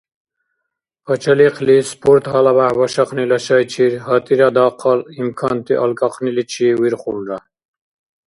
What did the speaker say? Пачалихъли спорт гьалабяхӏ башахънила шайчир гьатӏира дахъал имканти алкӏахъниличи вирхулра.